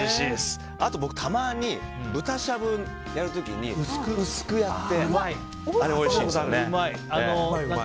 あと僕たまに豚しゃぶやる時に薄くやって。